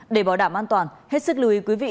để bảo đảm an toàn hết sức lưu ý quý vị